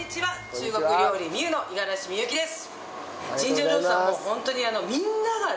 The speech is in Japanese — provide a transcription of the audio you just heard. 中国料理美虎の五十嵐美幸です！